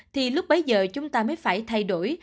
thì lúc bấy giờ chúng ta mới phải thay đổi